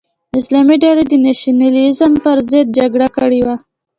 د اسلامي ډلې د نشنلیزم پر ضد جګړه کړې وه.